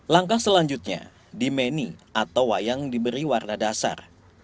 langkah selanjutnya dimeni atau wayang diberi warna dasar